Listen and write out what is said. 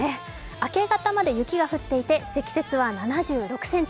明け方まで雪が降っていて積雪は７６ｃｍ。